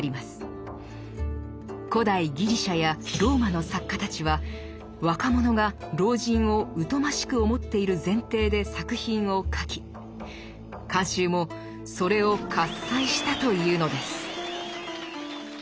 古代ギリシャやローマの作家たちは若者が老人を疎ましく思っている前提で作品を書き観衆もそれを喝采したというのです。